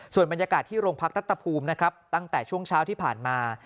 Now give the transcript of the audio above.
ส่วนบรรยากาศที่โรงพักรัฐภูมินะครับตั้งแต่ช่วงเช้าที่ผ่านมา